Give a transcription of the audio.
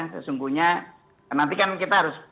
sesungguhnya nanti kan kita harus